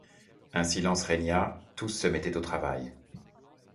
Un silence régna, tous se mettaient au travail.